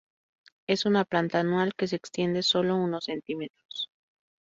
Es una planta anual que se extiende solo unos centímetros.